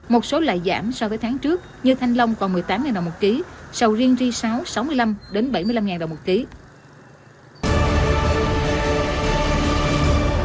một số loại giảm so với tháng trước như thanh long còn một mươi tám đồng một kg sầu riêng ri sáu sáu mươi năm đồng một kg